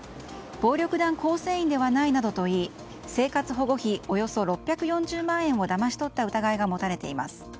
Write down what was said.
暴力団構成員ではないなどと言い生活保護費およそ６４０万円をだまし取った疑いが持たれています。